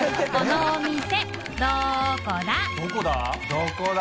どこだ？